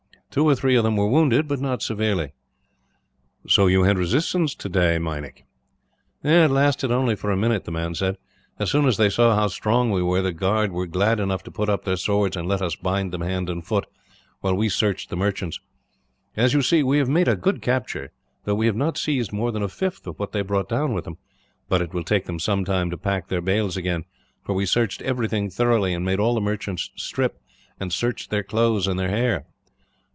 Two or three of them were wounded, but not severely. "So you had resistance today, Meinik." "It lasted only for a minute," the man said. "As soon as they saw how strong we were, the guard were glad enough to put up their swords and let us bind them hand and foot, while we searched the merchants. As you see, we have made a good capture, though we have not seized more than a fifth of what they brought down with them; but it will take them some time to pack their bales again, for we searched everything thoroughly, and made all the merchants strip, and searched their clothes and their hair."